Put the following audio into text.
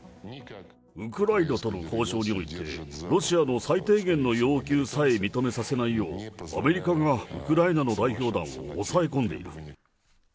ウクライナとの交渉において、ロシアの最低限の要求さえ認めさせないよう、アメリカがウクライナの代表団を押さえ込んでいる。